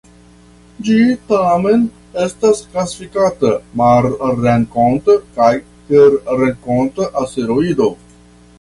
Ĝi tamen estas klasifikata marsrenkonta kaj terrenkonta asteroido.